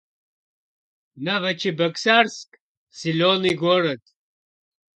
Новочебоксарск — зелёный город